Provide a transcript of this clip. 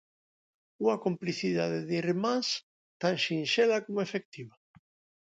Unha complicidade de irmás tan sinxela como efectiva.